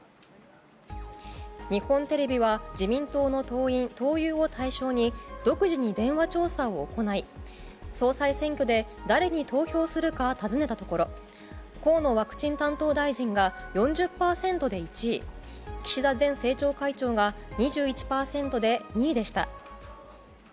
日本テレビは自民党の党員・党友を対象に独自に電話調査を行い総裁選挙で誰に投票するか尋ねたところ河野ワクチン担当大臣が４０％で１位岸田前政調会長が２１％で２位でした。